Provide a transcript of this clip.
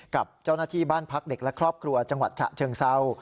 กับเจ้าหน้าที่บ้านพักเด็กและครอบครัวจังหวัดฉะเชิงเศร้า